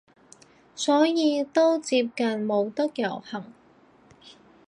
所以都接近冇得遊行